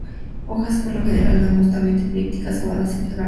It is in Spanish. Hojas por lo general angostamente elípticas a ovadas, glabras, cerosas en el haz.